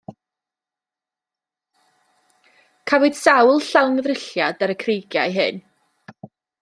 Cafwyd sawl llongddrylliad ar y creigiau hyn.